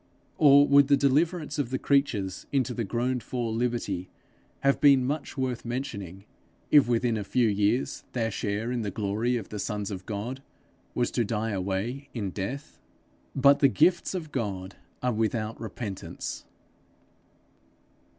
Or would the deliverance of the creatures into the groaned for liberty have been much worth mentioning, if within a few years their share in the glory of the sons of God was to die away in death? But the gifts of God are without repentance.